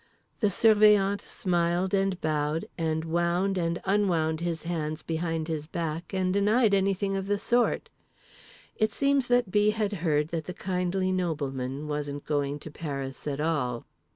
The Surveillant smiled and bowed and wound and unwound his hands behind his back and denied anything of the sort. It seems that B. had heard that the kindly nobleman wasn't going to Paris at all.